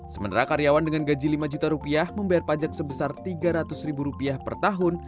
sementara karyawan dengan gaji lima juta rupiah membayar pajak sebesar tiga ratus ribu rupiah per tahun